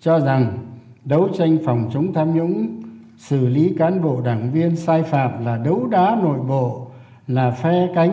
cho rằng đấu tranh phòng chống tham nhũng xử lý cán bộ đảng viên sai phạm và đấu đá nội bộ là phe cánh